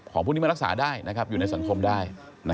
พวกนี้มารักษาได้อยู่ในสังคมได้